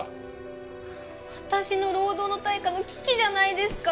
私の労働の対価の危機じゃないですか！